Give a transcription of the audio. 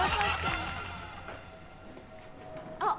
あっ！